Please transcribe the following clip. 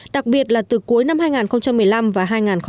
đặc biệt là từ cuối năm hai nghìn một mươi năm và hai nghìn một mươi tám